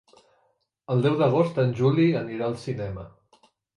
El deu d'agost en Juli anirà al cinema.